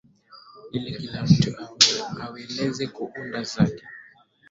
ili kila mtu aweleze kuunda zake